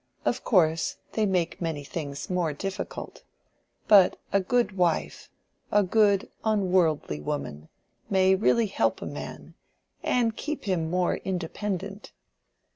Of course they make many things more difficult. But a good wife—a good unworldly woman—may really help a man, and keep him more independent.